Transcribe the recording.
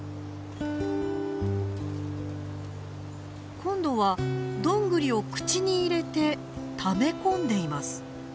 今度はドングリを口に入れてため込んでいます。